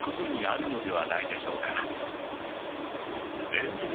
エンジョイ